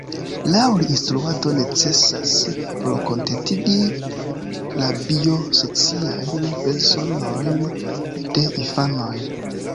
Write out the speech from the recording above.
Laŭ li instruado necesas por kontentigi la 'bio-sociajn bezonojn' de infanoj.